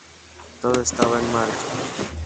Todo estaba en marcha.